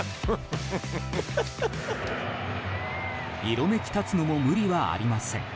色めき立つのも無理はありません。